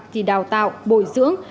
thì đào tạo bồi dưỡng